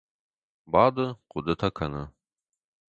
Бады. Хъуыдытӕ кӕны.